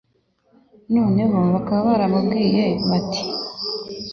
Noneho bakaba baramubwiye bati